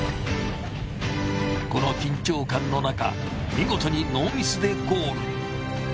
この緊張感の中見事にでゴール。